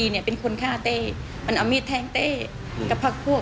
สนุนโดยสายการบินไทยนครปวดท้องเสียขับลมแน่นท้อง